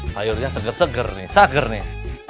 sayurnya seger seger nih